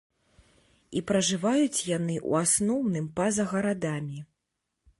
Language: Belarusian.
І пражываюць яны, у асноўным, па-за гарадамі.